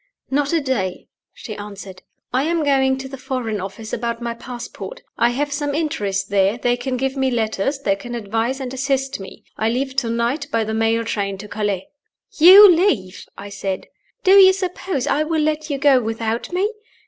"Not a day!" she answered. "I am going to the Foreign Office about my passport I have some interest there: they can give me letters; they can advise and assist me. I leave to night by the mail train to Calais." "You leave?" I said. "Do you suppose I will let you go without me?